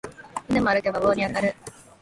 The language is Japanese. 犬も歩けば棒に当たる